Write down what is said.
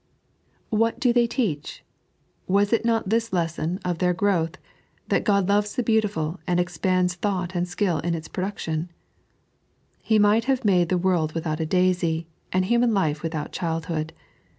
What do they teach 1 Was not this the lesson of their growth, that Ood loves the beautiful, and expends thought imd skill in its production 1 He might have made the world without a daisy, and human life without childhood.